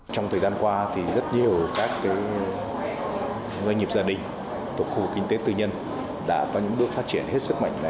trong thời gian qua thì rất nhiều các doanh nghiệp gia đình thuộc khu kinh tế tư nhân đã có những bước phát triển hết sức mạnh